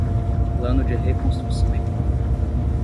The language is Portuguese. Plano de reconstrução econômica